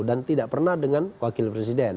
dan tidak pernah dengan wakil presiden